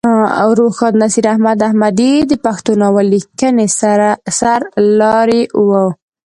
ارواښاد نصیر احمد احمدي د پښتو ناول لیکنې سر لاری وه.